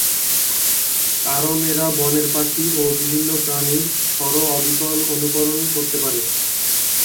কারণ এরা বনের পাখি ও বিভিন্ন প্রাণীর স্বর অবিকল অনুকরণ করতে পারে।